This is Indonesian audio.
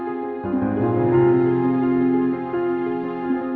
orang yang tadi siang dimakamin